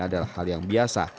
adalah hal yang biasa